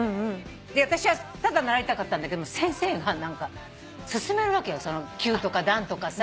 私はただ習いたかったんだけど先生がすすめるわけよ級とか段とかさ。